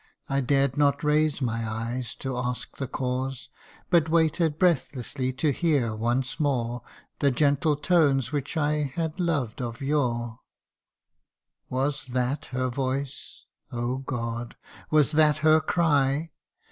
I dared not raise my eyes to ask the cause, But waited breathlessly to hear once more The gentle tones which I had loved of yore. Was that her voice ? oh God ! was that her cry